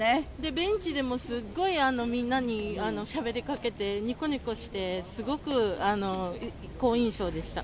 ベンチでもみんなにしゃべりかけて、にこにこして、すごく好印象でした。